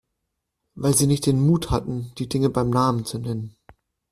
Weil Sie nicht den Mut hatten, die Dinge beim Namen zu nennen.